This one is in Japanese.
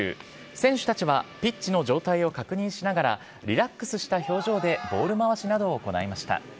選手たちはピッチの状態を確認しながら、リラックスした表情でボール回しなどを行いました。